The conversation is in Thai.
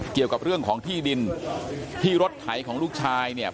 เกี่ยวกับเรื่องของที่ดินที่รถไถของลูกชายเนี่ย